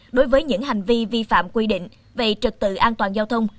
đối với những hành vi vi phạm quy định về trật tự an toàn giao thông